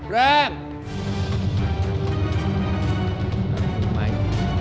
เริ่ม